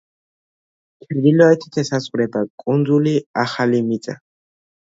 ჩრდილოეთით ესაზღვრება კუნძული ახალი მიწა.